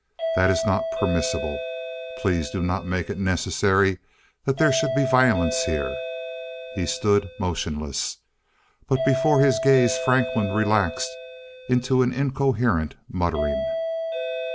"That is not permissible. Please do not make it necessary that there should be violence here." He stood motionless. But before his gaze Franklin relaxed into an incoherent muttering.